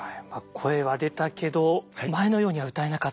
声は出たけど前のようには歌えなかった。